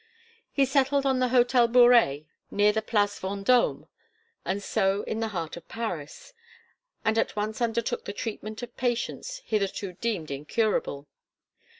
He settled in the Hotel Bouret near the Place Vendôme and so in the heart of Paris; and at once undertook the treatment of patients hitherto deemed incurable.